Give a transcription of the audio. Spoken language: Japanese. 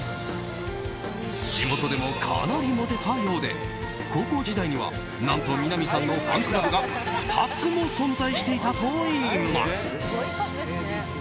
地元でもかなりモテたようで高校時代には何と、南さんのファンクラブが２つも存在していたといいます。